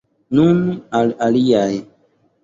Nun al aliaj!